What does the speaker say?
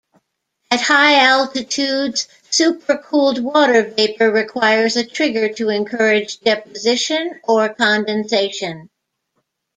At high altitudes, supercooled water vapor requires a trigger to encourage deposition or condensation.